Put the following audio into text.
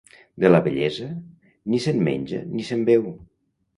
De la bellesa, ni se'n menja ni se'n beu.